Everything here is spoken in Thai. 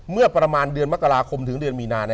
เมื่อประมาณเดือนมกราคมถึงเดือนมีนา